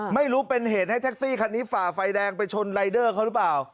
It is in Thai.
ไม่รู้เป็นเหตุให้แท็กซี่คันนี้ฝ่าไฟแดงไปชนรายเดอร์เขาหรือเปล่า